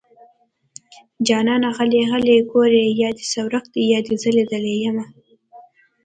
جانانه غلی غلی ګورې يا دې څه ورک دي يا دې زه ليدلې يمه